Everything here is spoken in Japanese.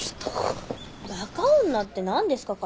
バカ女って何ですか？